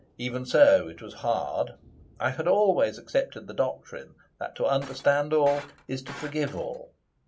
Even so, it was hard. I had always accepted the doctrine that to understand all is to forgive all.